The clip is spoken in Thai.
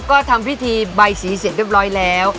ก็ทำพิธีใบสีเสร็จเรียบร้อยแล้ว